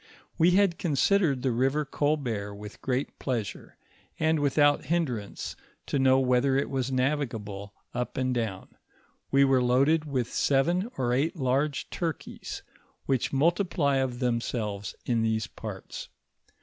"We had considered the river Colbert with great pleasure, and without hinderance, to know whether it was navigable up and down : we were loaded with seven or eight lorgo turkeys, which multiply of themselves in these parts.